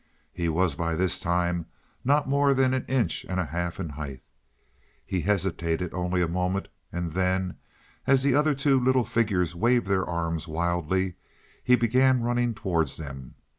(He was by this time not more than an inch and a half in height.) He hesitated only a moment, and then, as the other two little figures waved their arms wildly, he began running towards them.